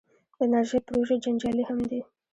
د انرژۍ پروژې جنجالي هم دي.